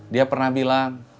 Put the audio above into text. dia pernah bilang